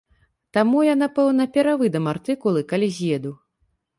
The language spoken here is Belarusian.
Таму я, напэўна, перавыдам артыкулы, калі з'еду.